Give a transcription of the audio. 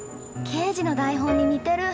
圭次の台本に似てる。